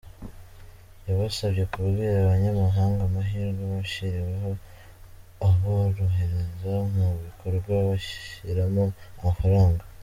Yabasabye kubwira abanyamahanga amahirwe bashyiriweho aborohereza mu bikorwa bashyiramo amafaranga.